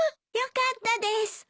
よかったです。